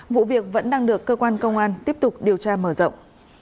vụ việc vẫn đang được cơ quan công an tiếp tục điều tra mở rộng